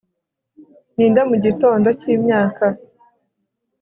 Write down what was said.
Ninde mugitondo cyimyaka